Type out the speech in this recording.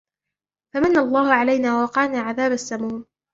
فمن الله علينا ووقانا عذاب السموم